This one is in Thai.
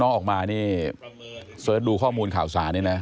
น้องออกมาเซิร์ชดูข้อมูลข่าวสารนี้